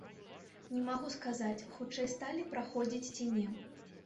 Не магу сказаць, хутчэй сталі праходзіць ці не.